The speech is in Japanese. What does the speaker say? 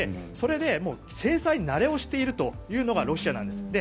それで制裁慣れをしているというのがロシアなんです。